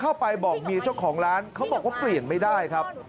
เข้าไปบอกเมียเจ้าของร้านเขาบอกว่าเปลี่ยนไม่ได้ครับ